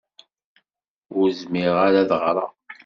Ur zmireɣ ara ad ɣṛeɣ.